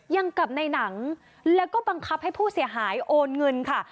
ยังกับในหนังแล้วก็บังคับให้ผู้เสียหายโอนเงินค่ะ